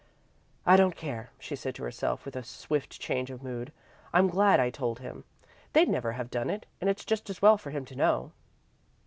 "I don't care," she said to herself, with a swift change of mood. "I'm glad I told him. They'd never have done it, and it's just as well for him to know."